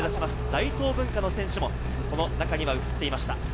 大東文化の選手もこの中には映っていました。